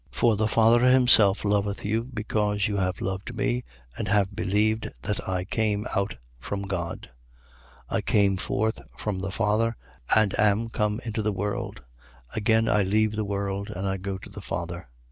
16:27. For the Father himself loveth you, because you have loved me and have believed that I came out from God. 16:28. I came forth from the Father and am come into the world: again I leave the world and I go to the Father.